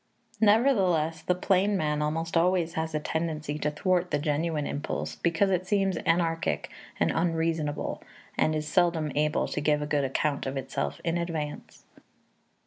Nevertheless, the plain man almost always has a tendency to thwart the genuine impulse, because it seems anarchic and unreasonable, and is seldom able to give a good account of itself in advance.